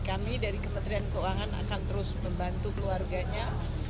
kami dari kementerian keuangan akan terus membantu keluarganya